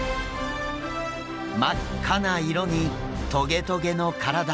真っ赤な色にトゲトゲの体。